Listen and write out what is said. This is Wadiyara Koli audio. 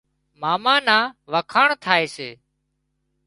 ماما نان وکاڻ ٿائي سي